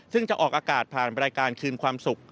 ซึ่งจะออกอากาศผ่านรายการคืนความสุข